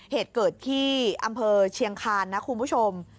เหตุเกิดที่อำเภอเชียงคานนะคุณผู้ชม